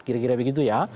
kira kira begitu ya